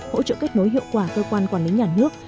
hỗ trợ kết nối hiệu quả cơ quan quản lý nhà nước